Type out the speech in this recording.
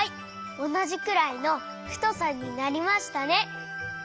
おなじくらいのふとさになりましたね。